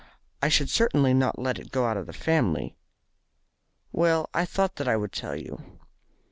"I should certainly not let it go out of the family." "Well, I thought that I would tell you."